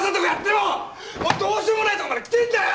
もうどうしようもないとこまできてんだよ！